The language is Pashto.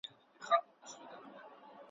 توري چي غاړي پرې کوي دوست او دښمن نه لري `